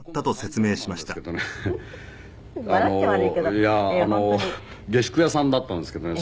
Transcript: いや下宿屋さんだったんですけどね